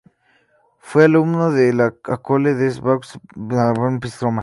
Fue alumno de la École des Beaux-Arts y obtuvo el Gran Prix de Roma.